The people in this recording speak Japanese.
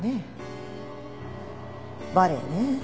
バレエねぇ。